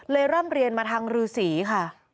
เลยร่ำเรียนมาทางรือศรีค่ะ